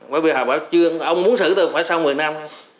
bởi vì họ bảo chưa ông muốn xử thì phải sau một mươi năm